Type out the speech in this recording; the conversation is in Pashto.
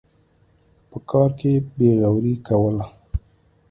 په کار کې بېغوري کوله.